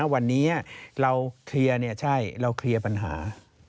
วันนี้เราเคลียร์ใช่เราเคลียร์ปัญหา